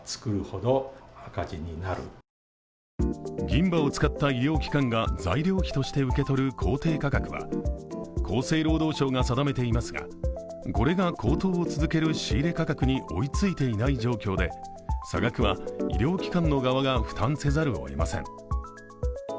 銀歯を使った医療機関が材料費として受け取る公定価格は厚生労働省が定めていますが、これが高騰を続ける仕入れ価格に追いついていない状況で差額は医療機関の側が負担せざるをえません。